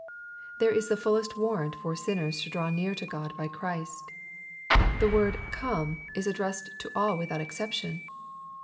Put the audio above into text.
There is the fullest warrant for sinners to draw neai to God by Christ, The word " Come,^' is addressed to all without exception.